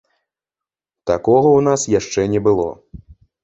Такога ў нас яшчэ не было.